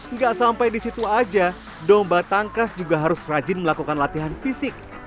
nggak sampai di situ aja domba tangkas juga harus rajin melakukan latihan fisik